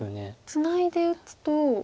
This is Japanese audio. ツナいで打つと。